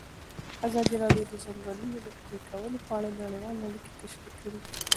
ازادي راډیو د د ځنګلونو پرېکول په اړه نړیوالې اړیکې تشریح کړي.